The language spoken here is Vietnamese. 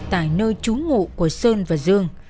tại nơi trú ngụ của sơn và dương